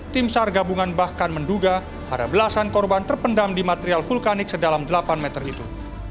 tim sar gabungan bahkan menduga ada belasan korban terpendam di material vulkanik sedalam delapan meter itu